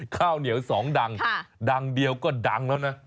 ข้าวเหนียวสองดังดังเดียวก็ดังแล้วนะ